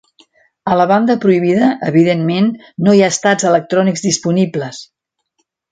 A la banda prohibida, evidentment, no hi ha estats electrònics disponibles.